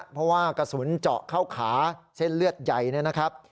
เพราะว่ากระสุนเจาะเข้าขาเส้นเลือดใหญ่นะครับ